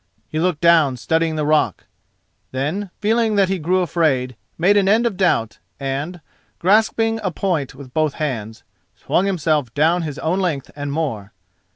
He looked down, studying the rock; then, feeling that he grew afraid, made an end of doubt and, grasping a point with both hands, swung himself down his own length and more.